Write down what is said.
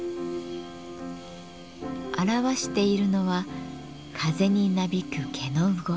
表しているのは風になびく毛の動き。